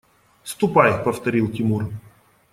– Ступай, – повторил Тимур.